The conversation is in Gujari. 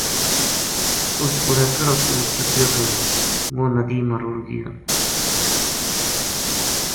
اُس کوڑے کِہڑو پوت چکیو تھو وہ ندی ما رُڑھ گیو